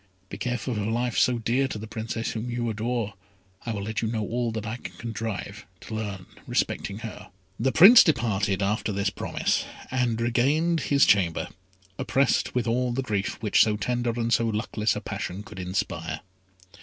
Be careful of a life so dear to the Princess whom you adore. I will let you know all that I can contrive to learn respecting her." The Prince departed after this promise, and regained his chamber, oppressed with all the grief which so tender and so luckless a passion could inspire.